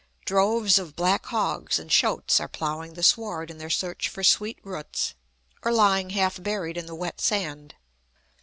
Droves of black hogs and shoats are ploughing the sward in their search for sweet roots, or lying half buried in the wet sand.